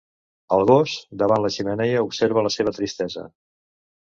El gos, davant la xemeneia observa la seva tristesa.